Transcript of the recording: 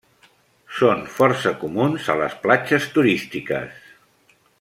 Són força comuns a les platges turístiques.